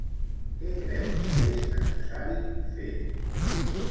Què creu que és necessari fer?